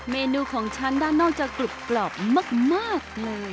เมนูของฉันด้านนอกจะกรุบกรอบมากเลย